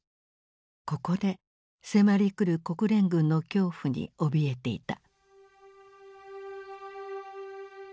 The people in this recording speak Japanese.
ここで迫りくる国連軍の恐怖に怯えていた。